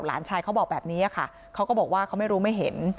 หลานชายเขาบอกแบบนี้ค่ะเขาก็บอกว่าเขาไม่รู้ไม่เห็น